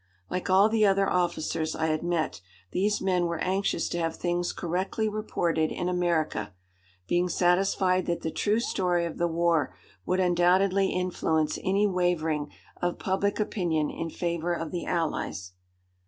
Like all the other officers I had met, these men were anxious to have things correctly reported in America, being satisfied that the true story of the war would undoubtedly influence any wavering of public opinion in favour of the Allies.